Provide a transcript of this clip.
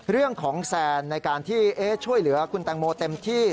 เรื่องของแสนในการที่ช่วยเหลือคุณแตงโมเต็มที่